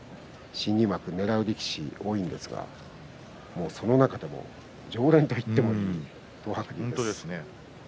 新入幕、ねらう力士は多いんですがその中でも常連といっていい東白龍です。